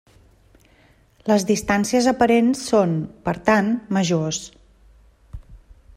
Les distàncies aparents són, per tant, majors.